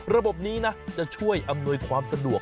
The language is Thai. ระบบนี้นะจะช่วยอำนวยความสะดวก